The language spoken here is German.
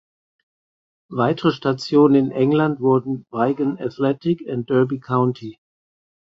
Weitere Stationen in England wurden Wigan Athletic und Derby County.